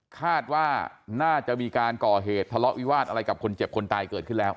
คาดว่าน่าจะมีการก่อเหตุทะเลาะวิวาสอะไรกับคนเจ็บคนตายเกิดขึ้นแล้ว